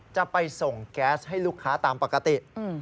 จะไปส่งแก๊สให้ลูกค้าตามปกติ